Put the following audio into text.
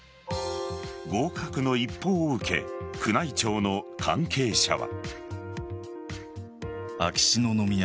合格の一報を受け宮内庁の関係者は。